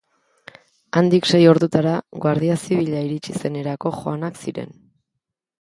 Handik sei ordutara Guardia Zibila iritsi zenerako joanak ziren.